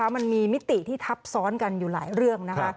มิติที่ทับซ้อนกันอยู่หลายเรื่องนะคะ